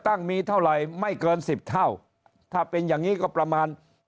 ตั้งมีเท่าไหร่ไม่เกินสิบเท่าถ้าเป็นอย่างนี้ก็ประมาณ